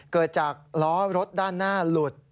เกิดจากล้อรถด้านหน้าหลุด